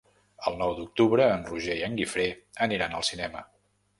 El nou d'octubre en Roger i en Guifré aniran al cinema.